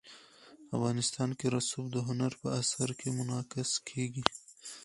افغانستان کې رسوب د هنر په اثار کې منعکس کېږي.